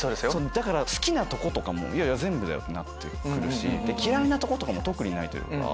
だから好きなとことかも「いや全部だよ」になって来るし嫌いなとことかも特にないというか。